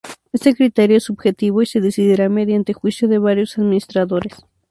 Este criterio es subjetivo y se decidirá mediante juicio de varios administradores.